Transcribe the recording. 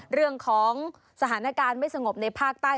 เรื่องของสถานการณ์ไม่สงบในภาคใต้